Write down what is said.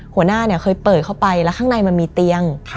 หัวหน้าเนี่ยเคยเปิดเข้าไปแล้วข้างในมันมีเตียง